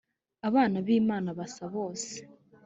abana bimana basa bose